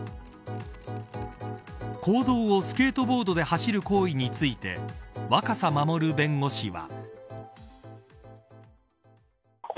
公道をスケートボードで走る行為について若狭勝弁護士は。